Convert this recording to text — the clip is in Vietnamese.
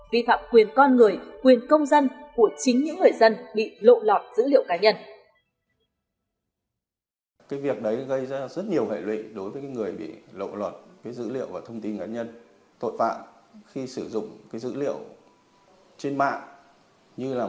vi phạm quyền con người quyền công dân của chính những người dân bị lộ lọt dữ liệu cá nhân